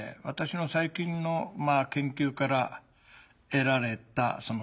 私の最近の研究から得られた